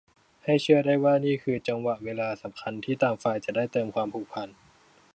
ให้เชื่อได้ว่านี่คือจังหวะเวลาสำคัญที่ต่างฝ่ายจะได้เติมความผูกพัน